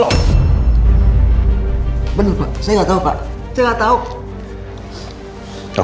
benar pak saya nggak tahu pak saya nggak tahu